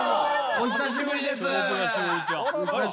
お久しぶりです。